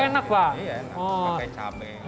iya enak pakai cabai